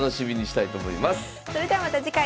それではまた次回。